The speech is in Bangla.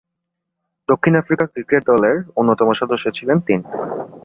দক্ষিণ আফ্রিকা ক্রিকেট দলের অন্যতম সদস্য ছিলেন তিন।